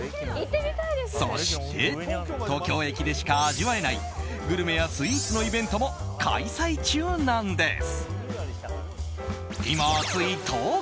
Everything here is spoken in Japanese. そして、東京駅でしか味わえないグルメやスイーツのイベントも開催中なんです。